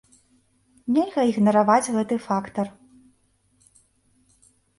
Нельга ігнараваць гэты фактар.